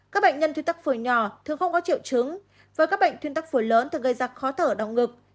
các bệnh nhân thu tắc phổi nhỏ thường không có triệu chứng với các bệnh thuyên tắc phổi lớn thường gây ra khó thở đau ngực